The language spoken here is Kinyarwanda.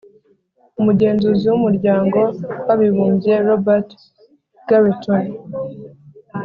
umugenzuzi w'umuryango w'abibumbye, robert garreton,